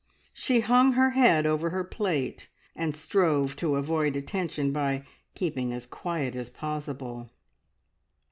She hung her head over her plate, and strove to avoid attention by keeping as quiet as possible.